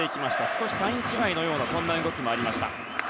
少しサイン違いのような動きもありました。